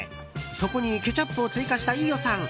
そこにケチャップを追加した飯尾さん。